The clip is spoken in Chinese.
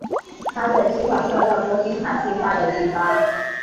他的计划受到波金卡计划的启发。